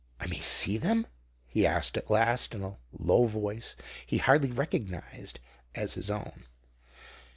"I may see them?" he asked at last, in a low voice he hardly recognized as his own.